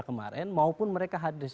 kemarin maupun mereka hadir secara online